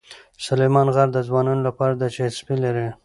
سلیمان غر د ځوانانو لپاره دلچسپي لري.